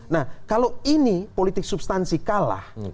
nah kalau ini politik substansi kalah